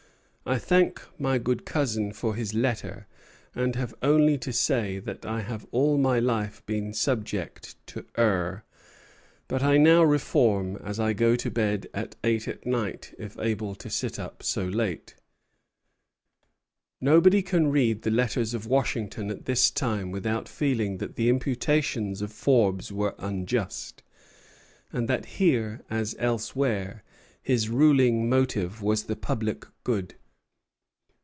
I thank my good cousin for his letter, and have only to say that I have all my life been subject to err; but I now reform, as I go to bed at eight at night, if able to sit up so late." Nobody can read the letters of Washington at this time without feeling that the imputations of Forbes were unjust, and that here, as elsewhere, his ruling motive was the public good.